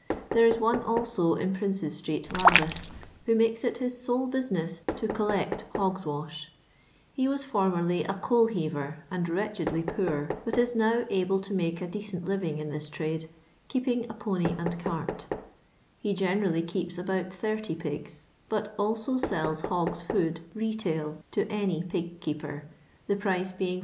There U one alio in PrinceV •tnet, Lambeth, who makes it hii lole buaineu to eoUeet hogt' waah ; he was formerly a coal heater and wretchedly poor, but is now able to make a decent livelihood in this trade, keeping a pony and cart He generally keeps abont 80 pigs, but also sells hogs' food retail to any pig keeper, the price being Ad.